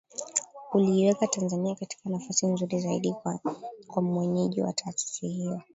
uliiweka Tanzania katika nafasi nzuri zaidi kuwa mwenyeji wa taasisi hiyo